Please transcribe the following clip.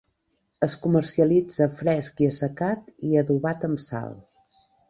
Es comercialitza fresc i assecat i adobat amb sal.